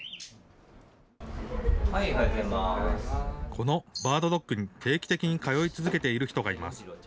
このバードドックに定期的に通い続けている人がいます。